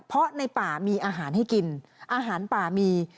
เพราะในป่ามีอาหารให้กินอาหารป่ามี